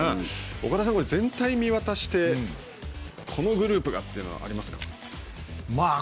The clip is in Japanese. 岡田さん、全体を見渡してこのグループがというのはありますか。